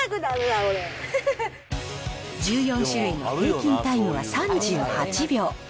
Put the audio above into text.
１４種類の平均タイムは３８秒。